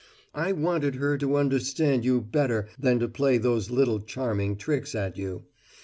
I wanted her to understand you better than to play those little charming tricks at you.